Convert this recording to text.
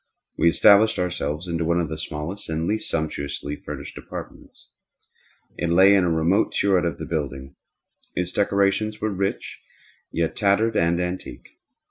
We established ourselves in one of the smallest and least sumptuously furnished apartments. It lay in a remote turret of the building. Its decorations were rich, yet tattered and antique.